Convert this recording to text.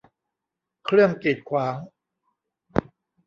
เครื่องกีดขวาง